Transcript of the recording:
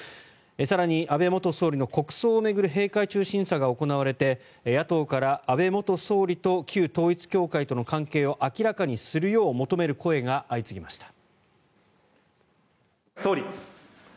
更に、安倍元総理の国葬を巡る閉会中審査が行われて野党から、安倍元総理と旧統一教会との関係を明らかにするよう求める声が相次ぎました。